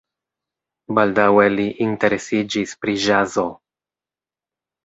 Baldaŭe li interesiĝis pri ĵazo.